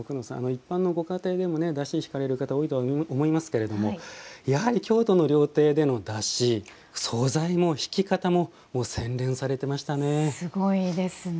一般のご家庭でもおだしを引かれる方多いと思いますけれどもやはり京都の料亭でのだし素材も引き方もすごいですね。